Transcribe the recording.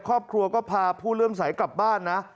ครอบครัวก็พาผู้เริ่มใสกลับบ้านนะ